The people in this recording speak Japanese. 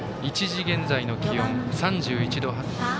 １時現在の気温３１．８度。